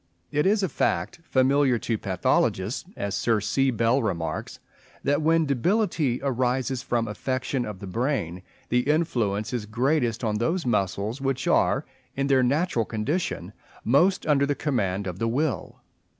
It is a fact familiar to pathologists, as Sir C. Bell remarks, "that when debility arises from affection of the brain, the influence is greatest on those muscles which are, in their natural condition, most under the command of the will."